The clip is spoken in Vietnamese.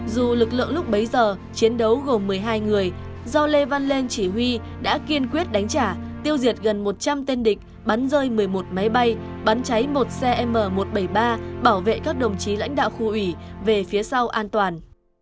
dù lực lượng lúc bấy giờ chiến đấu gồm một mươi hai người do lê văn lên chỉ huy đã kiên quyết đánh trả tiêu diệt gần một trăm linh tên địch bắn rơi một mươi một máy bay bắn cháy một xe m một trăm bảy mươi ba bảo vệ các đồng chí lãnh đạo khu ủy về phía sau an toàn